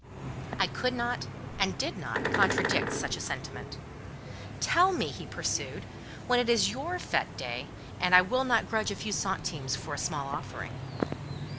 I could not, and did not contradict such a sentiment. "Tell me," he pursued, "when it is your fête day, and I will not grudge a few centimes for a small offering."